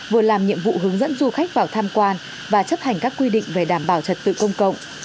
vừa làm nhiệm vụ hướng dẫn du khách vào tham quan và chấp hành các quy định về đảm bảo trật tự công cộng